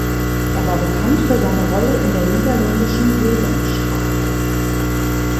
Er war bekannt für seine Rolle in der niederländischen Sesamstraße.